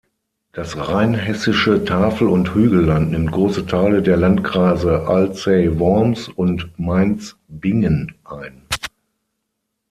Das Rheinhessische Tafel- und Hügelland nimmt große Teile der Landkreise Alzey-Worms und Mainz-Bingen ein.